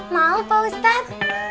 mau pak ustadz